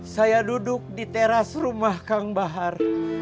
saya duduk di teras rumah kang bahar